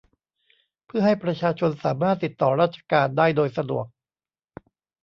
เพื่อให้ประชาชนสามารถติดต่อราชการได้โดยสะดวก